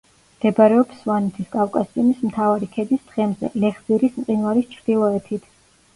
მდებარეობს სვანეთის კავკასიონის მთავარი ქედის თხემზე, ლეხზირის მყინვარის ჩრდილოეთით.